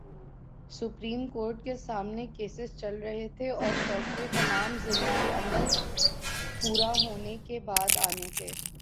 Supreme Court کے سامنے cases چل رہے تھے اور فیصلے تمام ضروری عمل پورا ہونے کے بعد آنے تھے۔